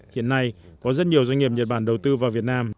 hiện nay có rất nhiều doanh nghiệp nhật bản đầu tư vào việt nam